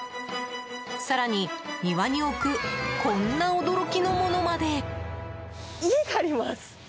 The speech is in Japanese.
更に、庭に置くこんな驚きのものまで。